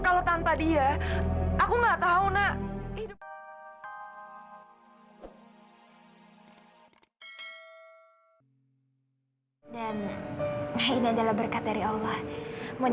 karena ini penting sekali